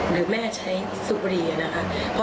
หรือแม่ใช้สุบุหรี่นะครับ